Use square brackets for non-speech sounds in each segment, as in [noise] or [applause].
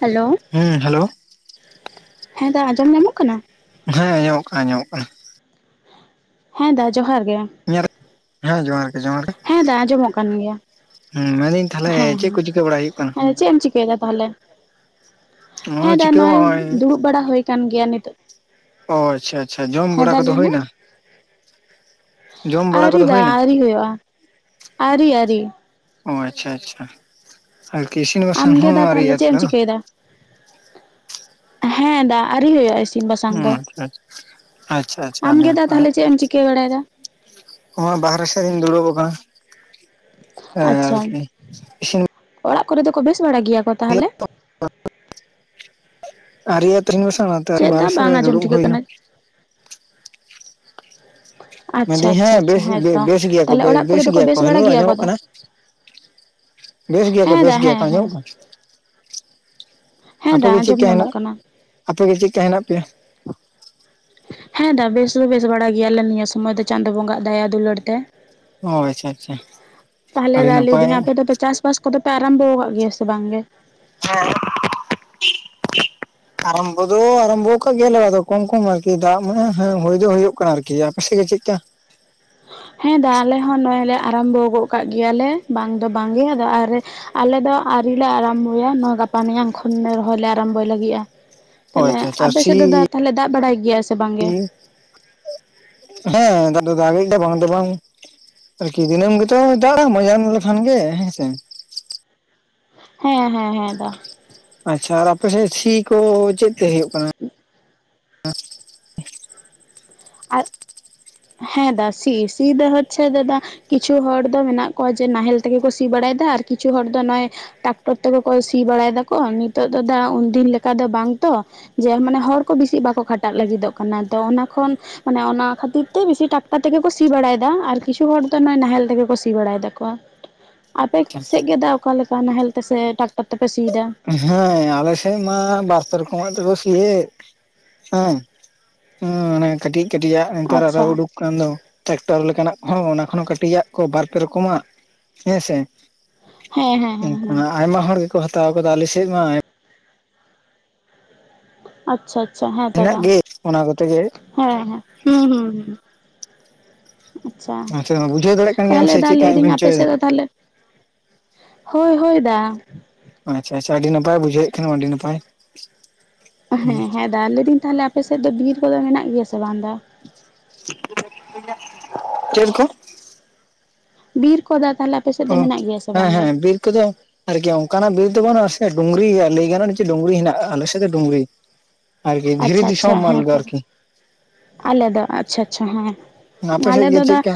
Hello ᱦᱮᱸ hello ᱦᱮᱸ ᱫᱟ ᱟᱸᱡᱚᱢ ᱧᱟᱢᱚᱜ ᱠᱟᱱᱟ, ᱦᱮᱸ ᱟᱸᱡᱚᱢᱚᱜ ᱠᱟᱱᱟ ᱟᱸᱡᱚᱢᱚᱜ ᱠᱟᱱᱟ᱾ ᱦᱮᱸ ᱫᱟ ᱡᱚᱦᱟᱨ ᱜᱮ, ᱦᱮᱸ ᱡᱚᱦᱟᱨ ᱜᱮ ᱡᱚᱦᱟᱨ ᱜᱮ, ᱦᱮᱸ ᱟᱸᱡᱚᱢᱚᱜ ᱠᱟᱱ ᱜᱮᱭᱟ᱾ ᱦᱮᱸ ᱢᱮᱱᱫᱟᱹᱧ ᱛᱟᱦᱚᱞᱮ ᱦᱮᱸ ᱪᱮᱫ ᱦᱮᱸ ᱠᱚ ᱪᱤᱠᱟᱹ ᱵᱟᱲᱟᱭ ᱦᱩᱭᱩᱜ ᱠᱟᱱᱟ᱾ ᱦᱮᱸ ᱪᱮᱫ ᱮᱢ ᱪᱤᱠᱟᱹᱭ ᱫᱟ ᱛᱟᱦᱚᱞᱮ ᱱᱚᱜᱼᱚᱭ ᱦᱮᱸ ᱫᱟ ᱪᱤᱠᱟᱹ ᱱᱚᱜᱚᱭ ᱵᱟᱝ ᱱᱚᱜᱼᱚᱭ ᱫᱩᱲᱩᱵ ᱵᱟᱲᱟ ᱦᱩᱭ ᱠᱟᱱ ᱜᱮᱭᱟ ᱱᱤᱛᱚᱜ, ᱚ ᱟᱪᱪᱷᱟ ᱟᱪᱪᱷᱟ ᱡᱚᱢ ᱦᱮᱸ ᱵᱟᱲᱟ ᱫᱟ ᱠᱚᱫᱚ ᱦᱩᱭᱮᱱᱟ, ᱵᱟᱲᱟ ᱟᱣᱨᱤ ᱠᱚᱫᱚ ᱫᱟ ᱦᱩᱭᱱᱟ ᱟᱣᱨᱤ ᱦᱩᱭᱩᱜᱼᱟ ᱟᱨᱤ ᱟᱨᱤ᱾ ᱚ ᱟᱪᱪᱷᱟ ᱟᱪᱪᱷᱟ ᱟᱨᱠᱤ ᱤᱥᱤᱱ ᱵᱟᱥᱟᱝ ᱟᱢᱜᱮ ᱫᱟ ᱦᱚᱸᱟᱣᱨᱤ ᱛᱟᱦᱚᱞᱮ ᱦᱩᱭᱩᱜᱼᱟ ᱪᱮᱫ ᱮᱢ ᱛᱚ, ᱪᱤᱠᱟᱹᱭᱮᱫᱟ ᱦᱮᱸ ᱫᱟᱜᱽ, ᱟᱹᱣᱨᱤ ᱦᱩᱭᱩᱜᱼᱟ ᱤᱥᱤᱱ ᱵᱟᱥᱟᱝ ᱚ ᱫᱚ ᱟᱪᱪᱷᱟ ᱟᱪᱪᱷᱟ ᱟᱢᱜᱮᱫᱟ ᱛᱟᱦᱚᱞᱮ ᱪᱮᱫ ᱮᱢ ᱪᱤᱠᱟᱹ ᱵᱟᱲᱟᱭᱮᱫᱟ᱾ ᱚᱱᱟ ᱵᱟᱦᱨᱮ ᱥᱮᱫ ᱤᱧ ᱫᱩᱲᱩᱵ ᱟᱠᱟᱱᱟ ᱦᱮᱸ ᱟᱪᱪᱷᱟ ᱟᱨᱠᱤ ᱤᱥᱤᱱ ᱚᱲᱟᱜ ᱠᱚᱨᱮ ᱫᱚ ᱠᱚ ᱵᱮᱥ ᱵᱟᱲᱟ ᱜᱮᱭᱟ ᱠᱚ? [inaudible] [inaudible] ᱛᱟᱦᱚᱞᱮ [unintelligible] ᱛᱟᱨ ᱪᱮᱫ ᱵᱟᱨᱮ ᱫᱟ ᱥᱮᱜ ᱵᱟᱝ ᱨᱮ ᱟᱸᱡᱚᱢ ᱫᱩᱲᱩᱵ ᱴᱷᱤᱠᱟᱹᱜ ᱦᱩᱭ ᱠᱟᱱᱟ᱾ ᱟᱪᱪᱷᱟ ᱢᱮᱱᱫᱟᱹᱧ ᱟᱪᱪᱷᱟ ᱦᱮᱸ ᱟᱪᱪᱷᱟ ᱵᱮᱥ ᱵᱮ ᱛᱚ ᱵᱮᱥ ᱜᱮᱭᱟ ᱠᱚ ᱛᱟᱦᱚᱞᱮ ᱵᱮ ᱚᱲᱟᱜ ᱠᱚᱨᱮ ᱵᱮᱥ ᱫᱚᱠᱚ ᱜᱮᱭᱟ ᱠᱚ ᱵᱟᱲᱟ ᱦᱮᱞᱳ ᱜᱮᱭᱟ ᱠᱚ ᱟᱸᱡᱚᱢᱚᱜ ᱫᱟ ᱠᱟᱱᱟ, ᱵᱮᱥ ᱜᱮᱭᱟ ᱠᱚ ᱦᱮᱸ ᱵᱮᱥ ᱫᱟ ᱜᱮᱭᱟ ᱦᱮᱸ ᱠᱚ ᱦᱮᱸ ᱟᱸᱡᱚᱢᱚᱜ ᱠᱟᱱᱟ᱾ ᱦᱮᱸ ᱫᱟ ᱟᱸᱡᱚᱢ ᱧᱟᱢᱚᱜ ᱠᱟᱱᱟ᱾ ᱟᱯᱮᱜᱮ ᱪᱮᱜ ᱞᱮᱠᱟ ᱦᱮᱱᱟᱜ ᱯᱮᱭᱟ? ᱦᱮᱸ ᱫᱟ ᱵᱮᱥ ᱫᱚ ᱵᱮᱥ ᱵᱟᱲᱟ ᱜᱮᱭᱟᱞᱮ ᱱᱤᱭᱟᱹ ᱥᱚᱢᱚᱭ ᱫᱚ ᱪᱟᱸᱫᱚ ᱵᱚᱸᱜᱟᱜ ᱫᱟᱭᱟ ᱫᱩᱞᱟᱹᱲ ᱛᱮ᱾ ᱚ ᱟᱪᱪᱷᱟ ᱟᱪᱪᱷᱟ ᱯᱟᱷᱞᱮ ᱟᱹᱰᱤ ᱫᱟ ᱱᱟᱯᱟᱭ ᱞᱟᱹᱭᱫᱟᱹᱧ ᱦᱮᱸ ᱟᱯᱮ ᱫᱚᱯᱮ ᱪᱟᱥ, ᱪᱟᱥ ᱵᱟᱥ ᱠᱚᱫᱚ ᱯᱮ ᱟᱨᱟᱢᱵᱷᱚ ᱟᱠᱟᱜ ᱜᱮᱭᱟ ᱥᱮ ᱵᱟᱝᱜᱮ? ᱦᱮᱸ, ᱟᱨᱟᱢᱵᱚ ᱫᱚ ᱟᱨᱟᱢᱵᱚ ᱠᱟᱜ ᱜᱮᱭᱟᱞᱮ ᱟᱫᱚ ᱠᱚᱢ ᱠᱚᱢ ᱟᱨᱠᱤ ᱫᱟᱜᱽ ᱢᱟᱱ ᱦᱮᱸ ᱦᱩᱭ ᱫᱚ ᱦᱩᱭᱩᱜ ᱠᱟᱱᱟ ᱟᱨᱠᱤ ᱟᱯᱮᱥᱮᱫ ᱜᱮ ᱪᱮᱫᱞᱮᱠᱟ? ᱦᱮᱸ ᱫᱟ ᱟᱞᱮ ᱦᱚᱸ ᱱᱚᱜᱼᱚᱭ ᱞᱮ ᱟᱨᱟᱢᱵᱷᱚ ᱜᱚᱜ ᱠᱟᱜ ᱜᱮᱭᱟᱞᱮ ᱵᱟᱝ ᱫᱚ ᱵᱟᱝᱜᱮ ᱟᱫᱚ ᱟᱨᱮ ᱟᱞᱮᱚ ᱫᱚ ᱟᱹᱣᱨᱤᱞᱮ ᱟᱨᱟᱢᱵᱚᱭᱟ ᱱᱚ ᱜᱟᱯᱟ ᱢᱮᱭᱟᱝ ᱠᱷᱚᱱ ᱨᱚᱦᱚᱭ ᱞᱮ ᱟᱨᱟᱢᱵᱚᱭ ᱞᱟᱹᱜᱤᱫᱼᱟ᱾ ᱚ ᱛᱟᱞᱦᱮ ᱟᱪᱪᱷᱟ ᱟᱪᱪᱷᱟ ᱟᱯᱮ ᱥᱮᱫ ᱛᱮᱫᱚ ᱥᱤ ᱛᱟᱞᱦᱮ ᱫᱟᱜᱽ ᱵᱟᱲᱟᱭ ᱜᱮᱭᱟ ᱥᱮ ᱵᱟᱝᱜᱮ? ᱦᱮᱸ ᱫᱟᱜᱽ ᱫᱚ ᱫᱟᱜᱮᱜ ᱜᱮᱭᱟ ᱵᱟᱝ ᱫᱚ ᱵᱟᱝ᱾ ᱟᱨᱠᱤ ᱫᱤᱱᱟᱹᱢ ᱜᱮᱛᱚ ᱫᱟᱜᱟᱜ ᱢᱚᱡ ᱧᱟᱢ ᱮᱢ ᱞᱮᱠᱷᱟᱱ ᱜᱮ ᱦᱮᱸᱥᱮ, ᱦᱮᱸ ᱦᱮᱸ ᱦᱮᱸ ᱫᱟ᱾ ᱟᱪᱪᱷᱟ ᱟᱨ ᱟᱯᱮᱥᱮᱜ ᱥᱤ ᱠᱚ ᱪᱮᱫ ᱛᱮ ᱦᱩᱭᱩᱜ ᱠᱟᱱᱟ? ᱟᱨ ᱦᱮᱸ ᱫᱟ ᱥᱤ ᱥᱤ ᱫᱚ ᱦᱚᱪᱷᱮ ᱫᱟᱫᱟ ᱠᱤᱪᱷᱩ ᱦᱚᱲ ᱫᱚ ᱢᱮᱱᱟᱜ ᱠᱚᱣᱟ ᱡᱮ ᱱᱟᱦᱮᱞ ᱛᱮᱜᱮ ᱠᱚ ᱥᱤ ᱵᱟᱲᱟᱭᱮᱫᱟ ᱟᱨ ᱠᱤᱪᱷᱩ ᱦᱚᱲ ᱫᱚ ᱱᱚᱜᱼᱚᱭ ᱴᱟᱠᱴᱚᱨ ᱛᱮᱜᱮ ᱠᱚ ᱥᱤ ᱵᱟᱲᱟᱭ ᱫᱟᱠᱚ ᱱᱤᱛᱚᱜ ᱫᱚ ᱫᱟ ᱩᱱᱫᱤᱱ ᱞᱮᱠᱟ ᱫᱚ ᱵᱟᱝᱛᱚ᱾ ᱡᱮ ᱢᱟᱱᱮ ᱦᱚᱲ ᱠᱚ ᱵᱮᱥᱤ ᱵᱟᱠᱚ ᱠᱷᱟᱴᱟᱜ ᱞᱟᱹᱜᱤᱫᱚᱜ ᱠᱟᱱᱟ ᱛᱚ ᱚᱱᱟ ᱠᱷᱚᱱ ᱢᱟᱱᱮ ᱚᱱᱟ ᱠᱷᱟᱹᱛᱤᱨ ᱛᱮ ᱵᱤᱥᱤ ᱴᱟᱠᱴᱟᱨ ᱛᱮᱜᱮ ᱠᱚ ᱥᱤ ᱵᱟᱲᱟᱭᱮᱫᱟ ᱟᱨ ᱠᱤᱪᱷᱩ ᱦᱚᱲ ᱫᱚ ᱱᱚᱜᱚᱭ ᱱᱟᱦᱮᱞ ᱛᱮᱜᱮ ᱠᱚ ᱥᱤ ᱵᱟᱲᱟᱭ ᱫᱟᱠᱚ᱾ [inaudible] ᱟᱯᱮᱜ ᱥᱮᱫ ᱜᱮ ᱫᱟᱜ ᱚᱠᱟ ᱞᱮᱠᱟ ᱱᱟᱦᱮᱞ ᱛᱮ ᱥᱮ ᱴᱟᱠᱴᱟᱨ ᱛᱮᱯᱮ ᱥᱤᱭᱮᱫᱟ? ᱦᱮᱸ ᱟᱞᱮ ᱥᱮᱫ ᱢᱟ ᱵᱟᱨ ᱯᱮ ᱨᱚᱠᱚᱢ ᱟᱜ ᱛᱮ ᱠᱩ ᱥᱤᱭᱮᱫ ᱾ ᱦᱮᱸ ᱦᱮᱸ ᱚᱱᱮ ᱠᱟᱹᱴᱤᱡ ᱠᱟᱹᱴᱤᱡᱟᱜ ᱱᱮᱛᱟᱨ ᱟᱨᱚ ᱟᱪᱪᱷᱟ ᱩᱰᱩᱠ ᱫᱚ ᱴᱨᱟᱠᱴᱚᱨ ᱞᱮᱠᱟᱱᱟᱜ ᱦᱚᱸ ᱚᱱᱟ ᱠᱷᱚᱱ ᱦᱚᱸ ᱠᱟᱹᱴᱤᱡᱟᱜ ᱠᱚ ᱵᱟᱨᱯᱮ ᱨᱚᱠᱚᱢᱟᱜ ᱦᱮᱸᱥᱮ᱾ ᱦᱮᱸ ᱦᱮᱸ ᱦᱮᱸ ᱚᱱᱠᱟ ᱦᱮᱸ ᱟᱭᱢᱟ ᱦᱚᱲ ᱜᱮᱠᱚ ᱦᱟᱛᱟᱣ ᱠᱟᱫᱟ ᱟᱞᱮ ᱥᱮᱫ ᱢᱟ ᱟᱭ ᱟᱪᱪᱷᱟ ᱟᱪᱪᱷᱟ ᱦᱮᱸ ᱦᱮᱱᱟᱜ ᱫᱟᱫᱟ ᱜᱮ ᱚᱱᱟ ᱠᱚᱛᱮ ᱜᱮ ᱦᱮᱸ ᱦᱮᱸ ᱦᱩᱸ ᱦᱩᱸ᱾ ᱟᱪᱪᱷᱟ ᱵᱩᱡᱷᱟᱹᱣ ᱫᱟᱲᱮᱭᱟᱜ ᱠᱟᱱ ᱜᱮᱭᱟᱢ ᱛᱟᱦᱚᱞᱮ ᱥᱮ ᱫᱟ ᱪᱮᱫᱠᱟᱧ ᱞᱟᱹᱭᱫᱤᱧ ᱢᱮᱱ ᱦᱚᱪᱚᱭᱮᱫᱟ ᱟᱯᱮᱥᱮᱫ ᱫᱚ ᱛᱟᱦᱚᱞᱮ ᱦᱳᱭ ᱦᱳᱭ ᱫᱟ᱾ ᱟᱪᱪᱷᱟ ᱟᱪᱪᱷᱟ ᱟᱹᱰᱤ ᱱᱟᱯᱟᱭ ᱵᱩᱡᱷᱟᱹᱣᱮᱫ ᱠᱷᱟᱱᱮᱢ ᱟᱹᱰᱤ ᱱᱟᱯᱟᱭ᱾ ᱦᱮᱸ ᱦᱮᱸ ᱫᱟ ᱞᱟᱹᱭᱟᱹᱧ ᱛᱟᱦᱚᱞᱮ ᱟᱯᱮᱥᱮᱫ ᱫᱚ ᱵᱤᱨ ᱠᱚᱫᱚ ᱢᱮᱱᱟᱜ ᱜᱮᱭᱟ ᱥᱮ ᱵᱟᱝ ᱫᱟ? ᱪᱮᱫ ᱠᱚ? ᱵᱤᱨ ᱠᱚ ᱫᱟ ᱛᱟᱦᱚᱞᱮ ᱟᱯᱮ ᱥᱮᱫ ᱫᱚ ᱚ ᱢᱮᱱᱟᱜ ᱜᱮᱭᱟ ᱥᱮ ᱦᱮᱸ ᱵᱟᱝᱜᱮ, ᱦᱮᱸ ᱵᱤᱨ ᱠᱚᱫᱚ ᱟᱨᱠᱤ ᱚᱱᱠᱟᱱᱟᱜ ᱵᱤᱨ ᱫᱚ ᱵᱟᱹᱱᱩᱜᱼᱟ ᱰᱩᱝᱨᱤ ᱞᱟᱹᱭ ᱜᱟᱱᱚᱜᱼᱟ ᱡᱮ ᱰᱩᱝᱨᱤ ᱦᱮᱱᱟᱜᱼᱟ ᱟᱞᱮ ᱥᱮᱫ ᱫᱚ ᱰᱩᱝᱨᱤ ᱾ ᱟᱨᱠᱤ ᱟᱪᱪᱷᱟ ᱫᱷᱤᱨᱤ ᱟᱪᱪᱷᱟ ᱦᱮᱸ ᱟᱞᱮᱫᱚ ᱛᱚ ᱟᱨᱠᱤ ᱾ ᱟᱞᱮ ᱫᱚ ᱟᱪᱪᱷᱟ ᱟᱪᱪᱷᱟ ᱦᱮᱸ ᱟᱯᱮ ᱥᱮᱫ ᱟᱞᱮ ᱜᱮ ᱫᱚ ᱫᱟ ᱪᱮᱫᱠᱟ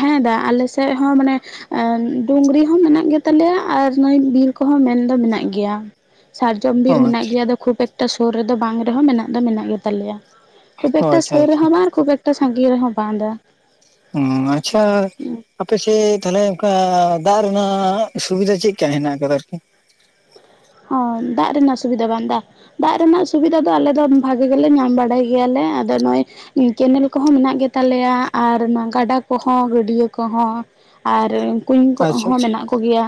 ᱦᱮᱸ ᱫᱟ ᱟᱞᱮ ᱥᱮᱜ ᱦᱚᱸ ᱢᱟᱱᱮ ᱟᱸ ᱰᱩᱝᱨᱤ ᱦᱚᱸ ᱢᱮᱱᱟᱜ ᱜᱮᱛᱟᱞᱮᱭᱟ ᱟᱨ ᱱᱚᱭ ᱵᱤᱨ ᱠᱚᱸᱦᱚᱸ ᱢᱮᱱᱫᱚ ᱢᱮᱱᱟᱜ ᱜᱮᱭᱟ ᱾ ᱥᱟᱨᱡᱚᱢ ᱵᱤᱨ ᱚ ᱢᱮᱱᱟᱜ ᱚ ᱜᱮᱭᱟ ᱠᱷᱩᱵ ᱮᱠᱴᱟ ᱥᱩᱨ ᱨᱮᱫᱚ ᱵᱟᱝ ᱨᱮᱦᱚᱸ ᱢᱮᱱᱟᱜ ᱫᱚ ᱢᱮᱱᱟᱜ ᱜᱮᱛᱟᱞᱮᱭᱟ ᱾ ᱠᱷᱩᱵ ᱮᱠᱴᱟ ᱟᱪᱪᱷᱟ ᱥᱩᱨ ᱟᱪᱪᱷᱟ ᱨᱮᱦᱚᱸ ᱵᱟᱝ ᱠᱷᱩᱵ ᱮᱠᱴᱟ ᱥᱟᱸᱜᱤᱧ ᱨᱮᱦᱚᱸ ᱵᱟᱝ ᱫᱟ ᱾ ᱚᱸ ᱟᱪᱪᱷᱟ ᱟᱯᱮ ᱥᱮᱜ ᱛᱟᱦᱚᱞᱮ ᱚᱱᱠᱟ ᱫᱟᱜ ᱨᱮᱱᱟᱜ ᱥᱩᱵᱤᱫᱷᱟ ᱪᱮᱜ ᱠᱟ ᱦᱮᱱᱟᱜ ᱟᱠᱟᱫᱟ ᱟᱨᱠᱤ ᱦᱚᱭ ᱫᱟᱜ ᱨᱮᱱᱟᱜ ᱥᱩᱵᱤᱫᱷᱟ ᱵᱟᱝ ᱫᱟ, ᱫᱟᱜ ᱨᱮᱱᱟᱜ ᱥᱩᱵᱤᱫᱷᱟ ᱫᱚ ᱟᱞᱮ ᱫᱚ ᱵᱷᱟᱜᱮ ᱜᱮᱞᱮ ᱧᱟᱢ ᱵᱟᱲᱟᱭ ᱜᱮᱭᱟᱞᱮ ᱟᱫᱚ ᱱᱚᱜ ᱠᱮᱱᱮᱞ ᱠᱚᱦᱚᱸ ᱢᱮᱱᱟᱜ ᱜᱮᱛᱟᱞᱮᱭᱟ ᱟᱨ ᱚᱱᱮ ᱜᱟᱰᱟ ᱠᱚᱦᱚᱸ ᱜᱟᱹᱰᱤᱭᱟᱹ ᱠᱚᱸᱦᱚᱸ ᱾ ᱟᱨ ᱠᱩᱧ ᱟᱪᱪᱷᱟ ᱠᱚᱦᱚᱸ ᱟᱪᱪᱷᱟ ᱢᱮᱱᱟᱜ ᱠᱚᱜᱮᱭᱟ᱾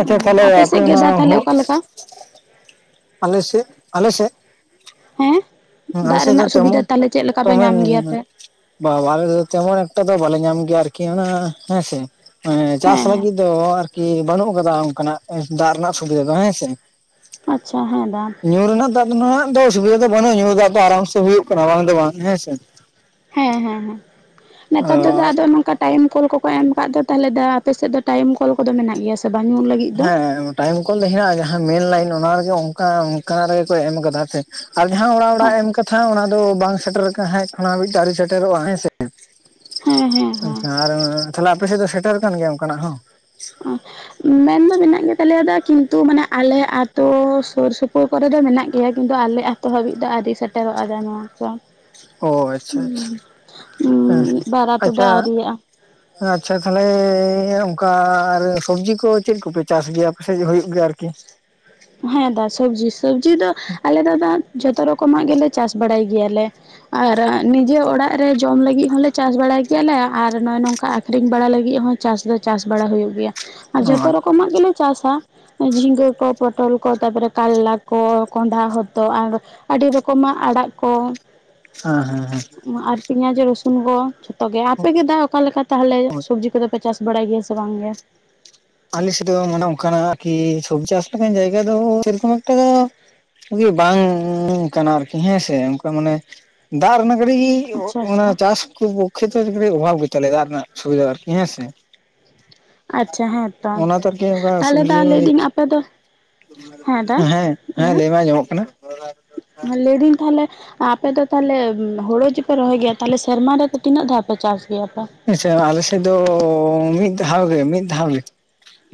ᱟᱪᱪᱷᱟ ᱛᱟᱦᱚᱞᱮ ᱟᱯᱮ ᱥᱮᱫ ᱜᱮ ᱚᱱᱟ ᱫᱟᱜ ᱵ ᱛᱟᱦᱚᱞᱮ ᱚᱠᱟᱞᱮᱠᱟ ᱟᱞᱮ ᱥᱮᱫ ᱟᱞᱮ ᱥᱮᱫ, ᱦᱮᱸ ᱟᱞᱮ ᱫᱟᱜ ᱥᱮᱫ ᱫᱚ ᱨᱮᱱᱟᱜ ᱛᱮᱢᱚᱱ ᱥᱩᱵᱤᱫᱷᱟ ᱛᱟᱦᱚᱞᱮ ᱪᱮᱫ ᱞᱮᱠᱟ ᱯᱮ ᱧᱟᱢ ᱜᱮᱭᱟ ᱯᱮ? ᱵᱟ ᱟᱞᱮ ᱫᱚ ᱛᱮᱢᱚᱱ ᱮᱠᱴᱟ ᱫᱚ ᱵᱟᱞᱮ ᱧᱟᱢ ᱜᱮᱭᱟ ᱟᱨᱠᱤ ᱚᱱᱟ ᱦᱮᱸᱥᱮ ᱪᱟᱥ ᱦᱮᱸ ᱦᱮᱸ ᱞᱟᱹᱜᱤᱫ, ᱫᱚ ᱟᱨᱠᱤ ᱵᱟᱹᱱᱩᱜ ᱠᱟᱫᱟ ᱚᱱᱠᱟᱱᱟᱜ ᱫᱟᱜ ᱨᱮᱱᱟᱜ ᱥᱩᱵᱤᱫᱷᱟ ᱫᱚ ᱦᱮᱸ ᱥᱮ᱾ ᱟᱪᱪᱷᱟ ᱦᱮᱸ ᱫᱟ, ᱧᱩ ᱨᱮᱱᱟᱜ ᱫᱟᱜ ᱨᱮᱱᱟᱜ ᱫᱚ ᱚᱥᱩᱵᱤᱫᱷᱟ ᱫᱚ ᱵᱟᱹᱱᱩᱜᱼᱟ ᱧᱩ ᱫᱟᱜ ᱫᱚ ᱟᱨᱟᱢ ᱥᱮ ᱦᱩᱭᱩᱜ ᱠᱟᱱᱟ ᱵᱟᱝ ᱫᱚ ᱵᱟᱝ ᱦᱮᱸᱥᱮ᱾ ᱦᱮᱸ ᱦᱮᱸ ᱦᱮᱸ ᱱᱮᱛᱟᱨ ᱫᱚ ᱫᱟ ᱟᱫᱚ ᱱᱚᱝᱠᱟ ᱴᱟᱭᱤᱢ ᱠᱚᱞ ᱠᱚ ᱠᱚ ᱮᱢ ᱠᱟᱫ ᱫᱚ ᱛᱟᱦᱚᱞᱮ ᱫᱟ ᱟᱯᱮᱥᱮᱫ ᱫᱚ ᱴᱟᱭᱤᱢ ᱠᱚᱞ ᱠᱚᱫᱚ ᱢᱮᱱᱟᱜ ᱜᱮᱭᱟᱥᱮ ᱦᱮᱸᱻ ᱾ ᱴᱟᱭᱤᱢ ᱠᱚᱞ ᱫᱚ ᱦᱮᱱᱟᱜᱼᱟ ᱡᱟᱦᱟᱸ ᱢᱮᱱ ᱞᱟᱭᱤᱱ ᱚᱱᱟ ᱨᱮᱜᱮ ᱚᱱᱠᱟ ᱚᱱᱠᱟ ᱨᱮᱜᱮ ᱠᱚ ᱮᱢ ᱠᱟᱫᱟ ᱦᱮᱸᱥᱮ ᱟᱨ ᱡᱟᱦᱟᱸ ᱚᱲᱟᱜ ᱚᱲᱟᱜ ᱦᱮᱸ ᱮᱢ ᱠᱟᱛᱷᱟ ᱚᱱᱟ ᱫᱚ ᱵᱟᱝ ᱥᱮᱴᱮᱨ ᱠᱟᱡ ᱦᱟᱸᱜ ᱚᱱᱟ ᱱᱤᱛᱦᱚᱸ ᱟᱣᱨᱤ ᱥᱮᱴᱮᱨᱚᱜᱼᱟ ᱦᱮᱸᱥᱮ᱾ ᱦᱮᱸ ᱦᱮᱸ ᱦᱮᱸ ᱟᱪᱪᱷᱟ ᱟᱨ ᱛᱟᱦᱚᱞᱮ ᱟᱯᱮ ᱥᱮᱫ ᱫᱚ ᱥᱮᱴᱮᱨ ᱠᱟᱱ ᱜᱮᱭᱟ ᱚᱱᱠᱟᱱᱟᱜ ᱦᱚᱸ? ᱚᱸ ᱾ ᱢᱮᱱ ᱫᱚ ᱢᱮᱱᱟᱜ ᱜᱮᱛᱟᱞᱮᱭᱟ ᱫᱚ ᱠᱤᱱᱛᱩ ᱢᱟᱱᱮ ᱟᱞᱮ ᱟᱛᱳ ᱥᱩᱨ ᱥᱩᱯᱩᱨ ᱠᱚᱨᱮ ᱫᱚ ᱢᱮᱱᱟᱜ ᱜᱮᱭᱟ ᱠᱤᱱᱛᱩ ᱟᱞᱮ ᱟᱛ ᱟᱛᱳ ᱦᱟᱹᱵᱤᱡ ᱫᱚ ᱟᱹᱣᱨᱤ ᱥᱮᱴᱮᱨᱚᱜᱼᱟ ᱫᱟ ᱱᱚᱣᱟ ᱠᱚ ᱾ ᱚ ᱟᱪᱪᱷᱟ ᱪᱷᱟ ᱦᱮᱸ ᱢᱤᱫ ᱵᱟᱨ ᱟᱛᱳ ᱫᱚ ᱟᱪᱪᱷᱟ ᱟᱹᱣᱨᱤᱭᱟᱜᱼᱟ ᱾ ᱟᱪᱪᱷᱟ ᱛᱟᱦᱚᱞᱮ ᱚᱝᱠᱟ, ᱟᱨ ᱥᱚᱵᱽᱡᱤ ᱠᱚ ᱪᱮᱫ ᱠᱚᱯᱮ ᱪᱟᱥ ᱜᱮᱭᱟ, ᱟᱯᱮᱥᱮᱫ ᱦᱳᱭᱳᱜ ᱜᱮᱭᱟ ᱟᱨᱠᱤ? ᱦᱮᱸ ᱫᱟ ᱥᱚᱵᱡᱤ ᱥᱚᱵᱡᱤ ᱫᱚ ᱟᱞᱮ ᱫᱚ, ᱫᱟ ᱡᱷᱚᱛᱚ ᱨᱚᱠᱚᱢᱟᱜ ᱜᱮᱞᱮ ᱪᱟᱥ ᱵᱟᱲᱟᱭ ᱜᱮᱭᱟᱞᱮ ᱾ ᱟᱨ ᱱᱤᱡᱮ ᱚᱲᱟᱜ ᱨᱮ ᱡᱚᱢ ᱞᱟᱹᱜᱤᱜ ᱦᱚᱸᱞᱮ, ᱪᱟᱥ ᱵᱟᱲᱟᱭ ᱜᱮᱭᱟᱞᱮ ᱟᱨ ᱱᱚᱚᱸᱭ ᱱᱚᱝᱠᱟ ᱟᱠᱷᱨᱤᱧ ᱵᱟᱲᱟ ᱞᱟᱹᱜᱤᱫ ᱦᱚᱸ, ᱪᱟᱥ ᱫᱚ ᱪᱟᱥ ᱵᱟᱲᱟ ᱦᱳᱭᱳᱜ ᱜᱮᱭᱟ ᱾ ᱟᱨ ᱚ ᱡᱚᱛᱚ ᱦᱮᱸ ᱨᱚᱠᱚᱢᱟᱜ ᱜᱮᱞᱮ ᱪᱟᱥᱟ, ᱡᱷᱤᱸᱜᱟᱹ ᱠᱚ ᱯᱚᱴᱚᱞ ᱠᱚ, ᱛᱟᱯᱚᱨᱮ ᱠᱟᱨᱞᱟ ᱠᱚ, ᱠᱚᱸᱦᱰᱷᱟ ᱦᱚᱛᱚ, ᱟᱨ ᱟᱹᱰᱤ ᱨᱚᱠᱚᱢᱟᱜ ᱟᱲᱟᱜ ᱠᱚ᱾ ᱦᱮᱸ, ᱦᱮᱸ, ᱦᱮᱸ᱾ ᱟᱨ ᱯᱮᱸᱭᱟᱡᱽ ᱨᱟᱹᱚᱥᱩᱱ ᱠᱚ, ᱡᱷᱚᱛᱚ ᱜᱮ ᱟᱯᱮᱜ ᱜᱮ ᱫᱟ ᱚᱠᱟᱞᱮᱠᱟ ᱛᱟᱦᱚᱞᱮ ᱥᱚᱵᱽᱡᱤ ᱠᱚᱫᱚᱯᱮ ᱪᱟᱥᱟ? ᱵᱟᱲᱟᱭ ᱜᱮᱭᱟ ᱥᱮ ᱵᱟᱝ ᱜᱮ? ᱟᱞᱮᱥᱮᱫ ᱫᱚ ᱢᱟᱱᱮ ᱚᱱᱠᱟᱱᱟᱜ ᱟᱨᱠᱤ, ᱥᱚᱵᱽᱡᱤ ᱪᱟᱥ ᱞᱮᱠᱟᱱ ᱡᱟᱭᱜᱟ ᱫᱚ, ᱥᱮᱨᱚᱠᱚᱢ ᱮᱠᱴᱟ ᱫᱚ ᱤᱭᱟ. ᱵᱟᱝ ᱠᱟᱱᱟ, ᱟᱨᱠᱤ ᱦᱮᱸᱥᱮ ᱚᱱᱠᱟ ᱢᱟᱱᱮ ᱫᱟᱜ ᱨᱮᱱᱟᱜ ᱠᱟᱴᱤᱡ ᱜᱮ, ᱟᱪᱪᱷᱟ ᱚᱱᱟ ᱟᱪᱪᱷᱟ ᱪᱟᱥ ᱠᱚ ᱠᱚ ᱠᱷᱮᱛᱨᱮ ᱠᱟᱴᱤᱡ ᱚᱵᱷᱟᱵ ᱜᱮ ᱛᱟᱞᱮᱭᱟ, ᱫᱟᱜ ᱨᱮᱱᱟᱜ ᱥᱩᱵᱤᱫᱷᱟ ᱟᱨᱠᱤ ᱦᱮᱸ ᱥᱮ, ᱟᱪᱪᱷᱟ ᱦᱮᱸᱛᱚ, ᱚᱱᱟ ᱛᱮ ᱟᱨᱠᱤ ᱚᱱᱠᱟ ᱛᱟᱦᱚᱞᱮ ᱫᱟ ᱥᱚᱵᱽᱡᱤ ᱞᱟᱹᱭᱫᱟᱹᱧ ᱟᱯᱮ ᱫᱚ ᱦᱮᱸ, ᱦᱮᱸ, ᱞᱟᱹᱭᱢᱮ ᱟᱸᱡᱚᱢᱚᱜ ᱠᱟᱱᱟ? ᱞᱟᱹᱭ ᱫᱟᱹᱧ ᱛᱟᱦᱞᱮ ᱟᱯᱮ ᱫᱚ ᱛᱟᱦᱞᱮ ᱦᱳᱲᱳ ᱜᱮᱯᱮ ᱨᱚᱦᱚᱭ ᱜᱮᱭᱟ, ᱛᱟᱦᱚᱞᱮ ᱥᱮᱨᱢᱟ ᱨᱮᱫᱚ ᱛᱤᱱᱟᱹᱜ ᱫᱷᱟᱣ ᱯᱮ ᱪᱟᱥ ᱜᱮᱭᱟᱯᱮ? ᱟᱪᱪᱷᱟ ᱟᱞᱮᱥᱮᱫ ᱫᱚ, ᱢᱤᱫ ᱫᱷᱟᱣ ᱜᱮ, ᱢᱤᱫ ᱫᱷᱟᱣ ᱜᱮ᱾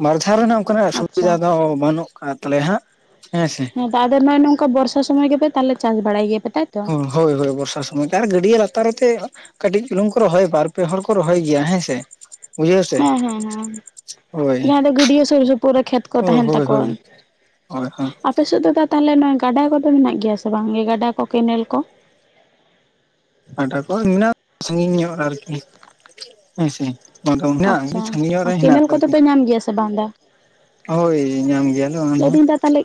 ᱵᱟᱨᱫᱷᱟᱣ ᱨᱮᱱᱟᱜ ᱚᱱᱠᱟᱱᱟᱜ ᱥᱩᱵᱤᱫᱷᱟ ᱟᱪᱪᱷᱟ ᱫᱚ, ᱵᱟᱹᱱᱩᱜ ᱠᱟᱜ ᱛᱟᱞᱮᱭᱟ ᱦᱟᱸᱜ, ᱦᱮᱸ ᱥᱮ᱾ ᱟᱫᱚ ᱱᱚᱜᱼᱚᱭ ᱱᱚᱝᱠᱟ ᱵᱚᱨᱥᱟ, ᱥᱚᱢᱚᱭ ᱜᱮᱯᱮ ᱛᱟᱦᱚᱞᱮ ᱪᱟᱥ ᱵᱟᱲᱟᱭ ᱜᱮᱭᱟᱯᱮ, ᱛᱟᱭ ᱦᱳᱭ, ᱦᱳᱭ ᱵᱚᱨᱥᱟ ᱥᱚᱢᱚᱭ ᱜᱮ, ᱟᱨ ᱜᱟᱹᱰᱭᱟᱹ ᱞᱟᱛᱟᱨ ᱛᱮ ᱠᱟᱹᱴᱤᱡ ᱪᱩᱞᱩᱝ ᱠᱚ ᱨᱚᱦᱚᱭ, ᱵᱟᱨ ᱯᱮ ᱦᱚᱲ ᱠᱚ ᱨᱚᱦᱚᱭ ᱜᱮᱭᱟ, ᱦᱮᱸ ᱥᱮ᱾ ᱵᱩᱡᱷᱟᱹᱣ ᱥᱮ ᱦᱮᱸ, ᱦᱮᱸ, ᱦᱮᱸ, ᱦᱳᱭ ᱡᱟᱦᱟᱸ ᱫᱚ ᱜᱟᱹᱰᱭᱟᱹ ᱥᱩᱨ ᱥᱩᱯᱩᱨ ᱨᱮ, ᱠᱷᱮᱛ ᱠᱚ ᱦᱳᱭ ᱛᱟᱦᱮᱱ ᱦᱳᱭ ᱛᱟᱠᱚᱣᱟ, ᱦᱳᱭ ᱦᱳᱭ, ᱦᱳᱭ᱾ ᱟᱯᱮᱥᱮᱫ ᱫᱚ ᱫᱟ ᱛᱟᱦᱚᱞᱮ ᱱᱚᱣᱟ, ᱜᱟᱰᱟ ᱠᱚᱫᱚ ᱢᱮᱱᱟᱜ ᱜᱮᱭᱟ ᱥᱮ ᱵᱟᱝ, ᱜᱟᱰᱟ ᱠᱚ ᱠᱮᱱᱮᱞ ᱠᱚ? ᱜᱟᱰᱟ ᱠᱚ ᱢᱮᱱᱟᱜᱼᱟ, ᱥᱟᱺᱜᱤᱧ ᱧᱚᱜ ᱟᱨᱠᱤ ᱦᱮᱸ ᱥᱮᱮ, ᱵᱟᱝᱠᱷᱟᱱ ᱞᱮᱭᱟ, ᱟᱰᱤ ᱟᱪᱪᱷᱟ ᱥᱟᱸᱜᱤᱧ ᱧᱚᱜ ᱨᱮ ᱟᱨ ᱦᱮᱱᱟᱜ ᱠᱮᱱᱮᱞ ᱠᱚᱫᱚ ᱟᱨᱠᱤ᱾ ᱯᱮ ᱧᱟᱢ ᱜᱮᱭᱟ ᱥᱮ ᱵᱟᱝ ᱫᱟ ᱦᱳᱭ, ᱧᱟᱢ ᱜᱮᱭᱟᱞᱮ ᱚᱱᱟᱦᱚ᱾ ᱞᱟᱹᱭᱫᱟᱹᱧ ᱫᱟ ᱛᱟᱦᱚᱞᱮ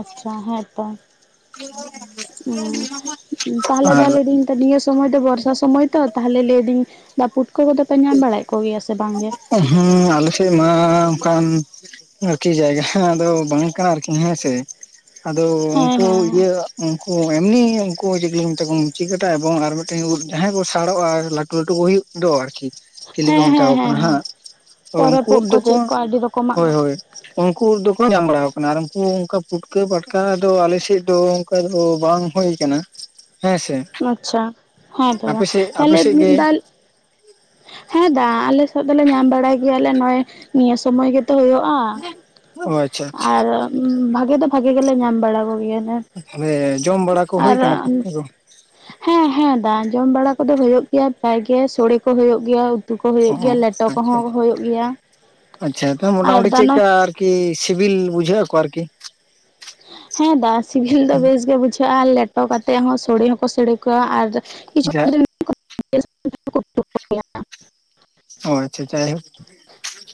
ᱟᱪᱪᱷᱟ ᱦᱮᱸ ᱛᱚ, [unintelligible] [unintelligible] ᱟᱨ ᱛᱚ ᱱᱤᱭᱟᱹ ᱥᱚᱢᱚᱭ ᱫᱚ ᱵᱚᱨᱥᱟ ᱥᱚᱢᱚᱭ ᱛᱚ, ᱛᱟᱦᱚᱞᱮ ᱞᱟᱹᱭᱫᱟᱹᱧ ᱫᱟ ᱯᱩᱴ ᱠᱚ ᱠᱚᱫᱚ ᱯᱮ, ᱧᱟᱢ ᱵᱟᱲᱟᱭᱮᱫ ᱠᱚᱜᱮᱭᱟ ᱥᱮ ᱵᱟᱝ ᱜᱮ? ᱦᱩᱸ ᱟᱞᱮᱥᱮᱫ ᱢᱟ ᱚᱱᱠᱟᱱ, ᱟᱨᱠᱤ ᱡᱟᱭᱜᱟ ᱟᱫᱚ ᱵᱟᱝ ᱠᱟᱱᱟ, ᱟᱨᱠᱤ ᱦᱮᱸᱥᱮ, ᱟᱫᱚ ᱦᱮᱸ ᱩᱱᱠᱩ ᱦᱮᱸ ᱤᱭᱟᱹ, ᱩᱱᱠᱩ ᱮᱢᱱᱤ ᱩᱱᱠᱩ ᱪᱤᱠᱚ ᱞᱟᱹᱭ ᱮᱱᱮᱛᱮ, ᱠᱚ ᱢᱤᱪᱤᱠ ᱠᱟᱴᱟ ᱮᱵᱚᱝ ᱟᱨ, ᱢᱤᱫᱴᱮᱱ ᱡᱟᱦᱟᱸᱭ ᱠᱚ ᱥᱟᱲᱚᱜᱼᱟ ᱞᱟᱴᱩ ᱞᱟᱟᱹᱴᱩ ᱠᱚ ᱦᱩᱭᱩᱜᱼᱟ᱾ ᱫᱚ ᱟᱨᱠᱤ ᱪᱤᱞᱤ ᱠᱚ ᱦᱮᱸ ᱢᱮᱛᱟ ᱠᱚ ᱦᱮᱸ ᱠᱟᱱᱟ, ᱦᱮᱸ ᱦᱮᱸ ᱦᱟᱸᱜ ᱯᱚᱨᱚᱵᱽ ᱩᱱᱠᱩ ᱠᱚ ᱫᱚᱠᱚ ᱪᱮᱫ ᱠᱚ ᱟᱹᱰᱤ ᱨᱚᱠᱚᱢᱟᱜ ᱦᱳᱭ ᱠᱚ ᱦᱳᱭ, ᱦᱳᱭ᱾ ᱩᱱᱠᱩ ᱫᱚᱠᱚ ᱧᱟᱢ ᱵᱟᱲᱟᱣ ᱠᱟᱱᱟ, ᱟᱨ ᱩᱱᱠᱩ ᱚᱱᱠᱟ ᱯᱷᱩᱴᱠᱟᱹ ᱯᱟᱴᱠᱟ ᱫᱚ, ᱟᱞᱮᱥᱮᱫ ᱫᱚ ᱚᱸᱠᱟ ᱫᱚ ᱵᱟᱝ ᱦᱳᱭ ᱟᱠᱟᱱᱟ ᱦᱮᱸ ᱥᱮ, ᱾ ᱟᱪᱪᱷᱟ ᱦᱮᱸᱛᱚ ᱫᱟ, ᱛᱟᱦᱚᱞᱮ ᱥᱮᱫ ᱜᱮ ᱫᱟ ᱦᱮᱸ ᱫᱟ ᱟᱞᱮ ᱥᱮᱫ ᱫᱚᱞᱮ ᱧᱟᱢ ᱵᱟᱲᱟᱭ ᱜᱮᱭᱟᱞᱮ, ᱱᱚᱜᱼᱚᱭ ᱱᱤᱭᱟᱹ ᱥᱚᱢᱚᱭ ᱜᱮᱛᱚ ᱦᱳᱭᱳᱜᱼᱟ᱾ ᱳ ᱟᱪ ᱟᱨ ᱵᱷᱟᱜᱮ ᱫᱚ ᱵᱷᱟᱜᱮ ᱜᱮᱞᱮ, ᱧᱟᱢ ᱵᱟᱲᱟ ᱠᱚᱜᱮᱼᱭᱟ ᱞᱮ᱾ ᱛᱟᱦᱚᱞᱮ ᱡᱚᱢ ᱵᱟᱲᱟ ᱠᱚ, ᱦᱳᱭ ᱠᱟᱱᱟ ᱯᱷᱩᱴᱠᱟᱹ ᱠᱚ? ᱦᱮᱸ, ᱦᱮᱸ, ᱫᱟ ᱡᱚᱢ ᱵᱟᱲᱟ ᱠᱚᱫᱚ ᱦᱳᱭᱳᱜ ᱜᱮᱭᱟ, ᱯᱮᱨᱟᱭ ᱜᱮ ᱥᱳᱲᱮ ᱠᱚ ᱦᱳᱭᱳᱜ ᱜᱮᱭᱟ᱾ ᱛᱩ ᱠᱚ ᱦᱩᱭᱩᱜ ᱜᱮᱹᱭᱟ, ᱚ ᱞᱮᱴᱚ ᱟᱪᱪᱷᱟ ᱠᱚᱦᱚᱸ ᱦᱩᱭᱩᱜ ᱜᱮᱹᱭᱟ ᱟᱨ ᱫᱟᱱᱚ ᱠᱤ ᱥᱤᱵᱤᱞ ᱵᱩᱡᱷᱟᱹ ᱟᱠᱚ ᱟᱨᱠᱤ? ᱦᱮᱸ ᱫᱟ, ᱥᱤᱵᱷᱤᱞ ᱫᱚ ᱵᱮᱥ ᱜᱮ ᱵᱩᱡᱷᱟᱹᱜᱼᱟ᱾ ᱞᱮᱴᱚ ᱠᱟᱛᱮᱫ ᱦᱚᱸ, ᱥᱚᱲᱮᱹ ᱦᱚᱸᱠᱚ ᱥᱮᱹᱲᱮᱹ ᱠᱚᱣᱟ ᱟᱨ ᱠᱤᱪᱷᱩ ᱡᱟᱜ ᱚᱭ ᱪᱷᱟ, ᱡᱟᱭᱦᱳᱠ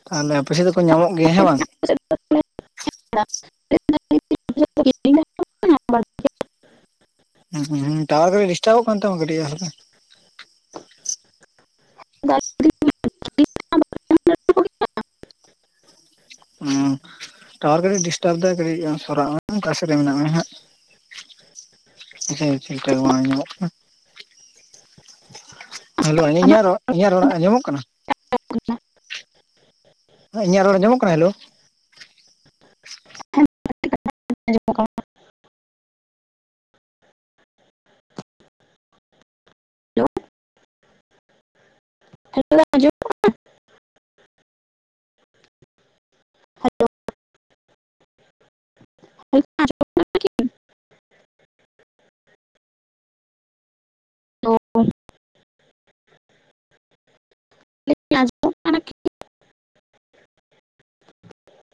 ᱛᱟᱼᱞᱮ ᱚ ᱯᱮᱭᱥᱟ ᱫᱚᱠᱚ ᱧᱟᱢᱚᱜ ᱜᱮᱹᱭᱟ ᱦᱮᱸ ᱵᱟᱝ! [inaudible] [inaudible] ᱩᱸ, ᱦᱩᱸ-ᱦᱩᱸ, ᱴᱟᱣᱟᱨ ᱠᱟᱣᱤᱡ ᱰᱤᱥᱴᱟᱵᱚᱜ ᱠᱟᱱ ᱛᱟᱢᱟ ᱠᱟᱹᱴᱤᱡ ᱦᱟᱞᱠᱟ! ᱩᱸ, ᱴᱟᱣᱟᱨ ᱠᱟᱹᱲᱤᱡ ᱰᱤᱥᱴᱟᱵ ᱫᱟ, ᱠᱟᱹᱲᱤᱡ ᱳᱝ ᱥᱚᱨᱟᱜ ᱢᱮ, ᱚᱝᱠᱟᱥᱮᱜ ᱨᱮ ᱢᱮᱱᱟᱜ ᱢᱮᱭᱟ ᱦᱟᱸᱜ! ᱦᱮᱸ, ᱴᱷᱤᱠ ᱴᱷᱟᱠ ᱵᱟᱝ ᱟᱸᱡᱚᱢᱚᱜ ᱠᱟᱱᱟ, ᱦᱮᱞᱳ, ᱟᱹᱧᱟᱹ ᱤᱧᱟᱹᱜ ᱨᱚᱲ, ᱤᱧᱟᱹᱜ ᱨᱚᱲ ᱟᱸᱡᱚᱢᱚᱜ ᱠᱟᱱᱟ? [inaudible] ᱟᱸ ᱤᱧᱟᱹᱜ ᱨᱚᱲ ᱟᱸᱡᱚᱢᱚᱜ ᱠᱟᱱᱟ, ᱦᱮᱞᱳ? [inaudible] [inaudible] [inaudible] [inaudible]